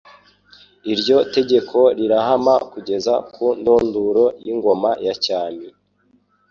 Iryo tegeko rirahama kugeza ku ndunduro y'Ingoma ya cyami,